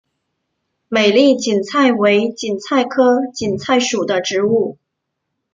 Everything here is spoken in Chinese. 美丽堇菜为堇菜科堇菜属的植物。